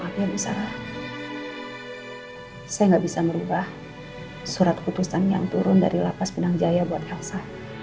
tapi ibu sarah saya gak bisa merubah surat putusan yang turun dari lapas pinang jaya buat elsa